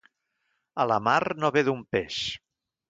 A la mar, no ve d'un peix.